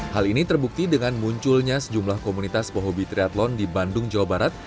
hal ini terbukti dengan munculnya sejumlah komunitas pehobi triathlon di bandung jawa barat